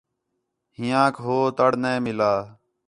ہِیانک ہو تَڑ نَے مِلّا